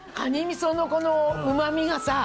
みそのこのうま味がさ